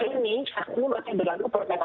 pada ini ingat bahwa kita harus sama sama ingat bahwa